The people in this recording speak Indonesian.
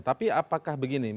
tapi apakah begini